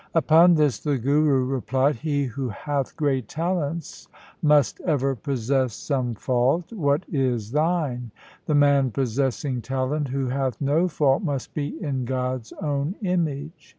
Upon this the Guru replied, ' He who hath great talents must ever possess some fault. What is thine ? The man possessing talent who hath no fault must be in God's own image.'